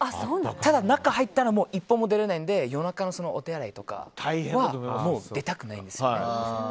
ただ、中に入ったら一歩も出られないので夜中のお手洗いとかは出たくないんです。